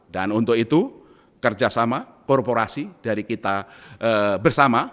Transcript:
dan untuk itu kerjasama korporasi dari kita bersama